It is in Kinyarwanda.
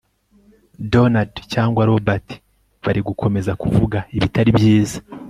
donald cyangwa robert bari gukomeza kuvuga ibitari byiza